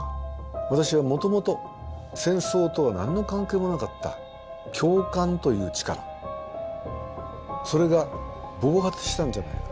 私はもともと戦争とは何の関係もなかった共感という力それが暴発したんじゃないか。